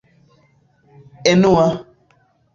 enua